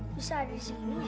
bisa ada di sini ya